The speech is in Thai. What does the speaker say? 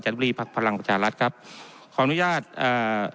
จันทรีย์ภักดิ์พลังประชาลรัฐครับขออนุญาตเอ่อ